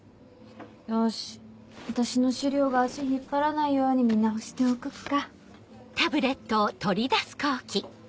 よし私の資料が足引っ張らないように見直しておこっか。